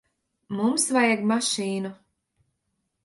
Mums vajag mašīnu.